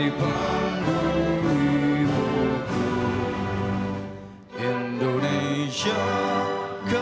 hiduplah tanahku hiduplah negeriku